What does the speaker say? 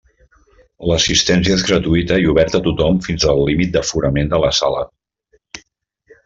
L'assistència és gratuïta i oberta a tothom fins al límit d'aforament de la sala.